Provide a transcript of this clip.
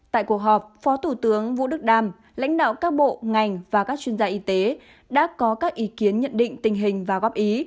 tại cuộc họp phó thủ tướng vũ đức đam lãnh đạo các bộ ngành và các chuyên gia y tế đã có các ý kiến nhận định tình hình và góp ý